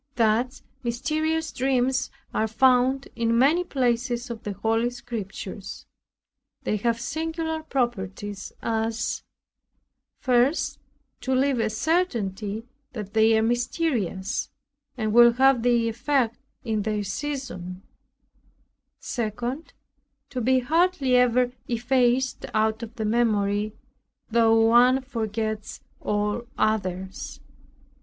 Thus mysterious dreams are found in many places of the holy Scriptures. They have singular properties, as 1. To leave a certainty that they are mysterious, and will have their effect in their season. 2. To be hardly ever effaced out of the memory, though one forgets all others.